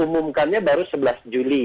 umumkannya baru sebelas juli